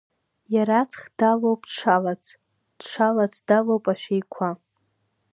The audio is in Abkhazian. Иара аҵх далоуп дшалац, дшалац далоуп ашәеиқәа.